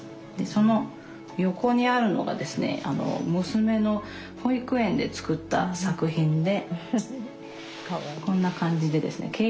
でその横にあるのがですね娘の保育園で作った作品でこんな感じでですね